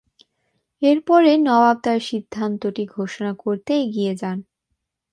এরপরে নবাব তার সিদ্ধান্তটি ঘোষণা করতে এগিয়ে যান।